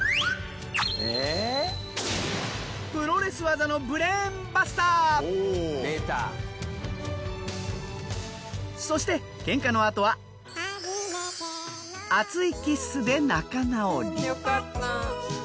プロレス技のそしてケンカのあとは熱いキッスで仲直り。